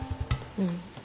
うん。